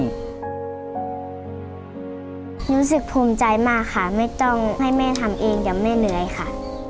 รู้สึกภูมิใจมากค่ะไม่ต้องให้แม่ทำเองกับแม่เหนื่อยค่ะ